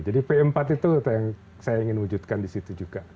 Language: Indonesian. jadi p empat itu yang saya ingin wujudkan di situ juga